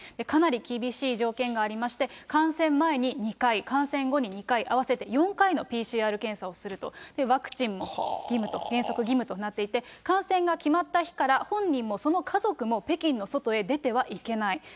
かなり厳しい条件がありまして、観戦前に２回、観戦後に２回、合わせて４回のＰＣＲ検査をすると、ワクチンも義務と、原則義務となっていて、観戦が決まった日から、本人もその家族も北京の外へ出てはいけない。